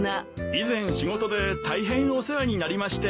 以前仕事で大変お世話になりまして。